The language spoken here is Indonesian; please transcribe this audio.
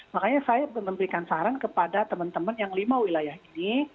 makanya saya memberikan saran kepada teman teman yang lima wilayah ini